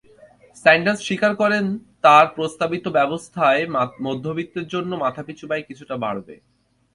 Sanders স্বীকার করেন, তাঁর প্রস্তাবিত ব্যবস্থায় মধ্যবিত্তের জন্য মাথাপিছু ব্যয় কিছুটা বাড়বে।